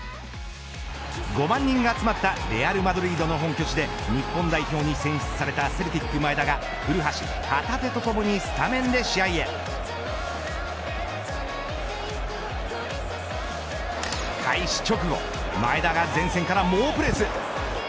５万人が集まったレアル・マドリードの本拠地で日本代表に選出されたセルティック、前田が古橋、旗手とともにスタメンで試合へ開始直後前田が前線から猛プレス。